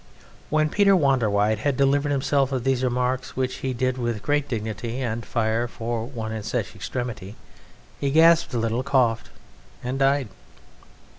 When Peter Wanderwide had delivered himself of these remarks, which he did with great dignity and fire for one in such extremity, he gasped a little, coughed, and died.